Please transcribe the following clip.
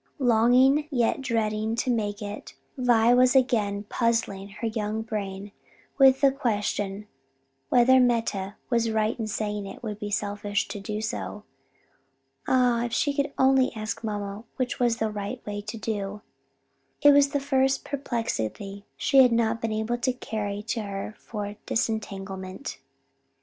Longing, yet dreading to make it, Vi was again puzzling her young brain with the question whether Meta was right in saying it would be selfish to do so. Ah, if she could only ask mamma which was the right way to do! This was the first perplexity she had not been able to carry to her for disentanglement.